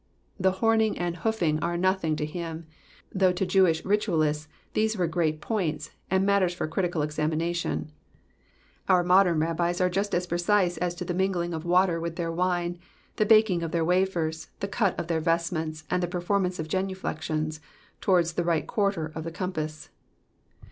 The horning and hoofing are nothing to him, though to Jewish ritualists these were great points, and matters for critical examination ; our modern rabbis are just as precise as to the mingling of water with their wine, the baking of their wafers, the cu£ of their vestments, and the performance of genuflections towards the right quarter of the compass.